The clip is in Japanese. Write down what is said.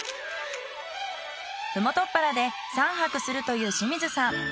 ふもとっぱらで３泊するという清水さん。